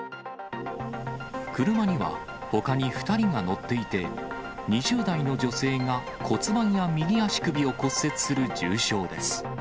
車にはほかに２人が乗っていて、２０代の女性が骨盤や右足首を骨折する重傷です。